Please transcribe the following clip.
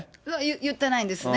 言ってないんですね。